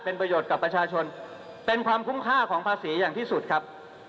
เป็นประโยชน์กับประชาชนเป็นความคุ้มค่าของภาษีอย่างที่สุดครับ